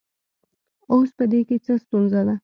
اوس په دې کې څه ستونزه ده